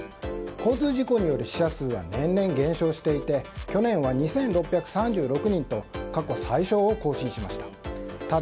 交通事故による死者数は年々、減少していて去年は２６３６人と過去最少を更新しました。